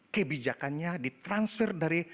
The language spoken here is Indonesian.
kebijakannya ditransfer dari